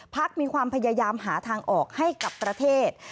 พักมีความพยายามหาทางออกให้กับประเทศ